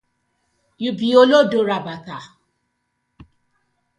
Yu bi olodo rabata.